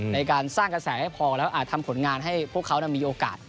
ในการสร้างกระแสให้พอแล้วทำผลงานให้พวกเขามีโอกาส